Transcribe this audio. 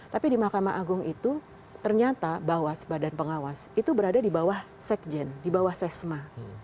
tapi di mahkamah agung itu ternyata bawas badan pengawas itu berada di bawah sekjen di bawah sesma